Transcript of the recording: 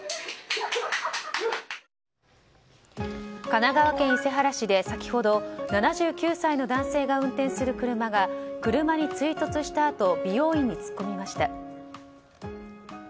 神奈川県伊勢原市で先ほど７９歳の男性が運転する車が車に追突したあと美容院に突っ込みました。